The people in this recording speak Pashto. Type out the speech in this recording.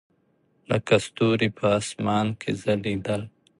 لکه ستوري په اسمان کښې ځلېدل.